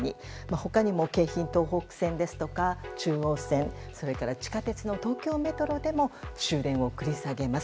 他にも京浜東北線ですとか中央線地下鉄の東京メトロでも終電を繰り下げます。